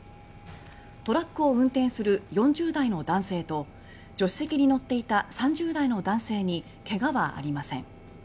トラックを運転する４０代の男性と助手席に乗っていた３０代の男性に怪我はありません。